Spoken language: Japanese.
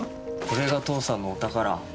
これが父さんのお宝。